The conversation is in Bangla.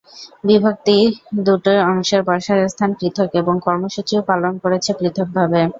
বিভক্ত দুটি অংশের বসার স্থান পৃথক এবং কর্মসূচিও পালন করেছে পৃথকভাবে।